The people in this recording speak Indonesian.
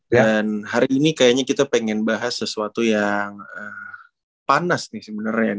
dan hari ini kayaknya kita pengen bahas sesuatu yang panas sebenarnya